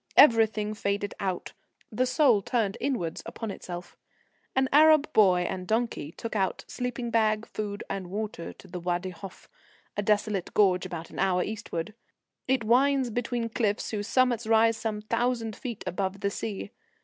Everything faded out. The soul turned inwards upon itself. An Arab boy and donkey took out sleeping bag, food and water to the Wadi Hof, a desolate gorge about an hour eastwards. It winds between cliffs whose summits rise some thousand feet above the sea.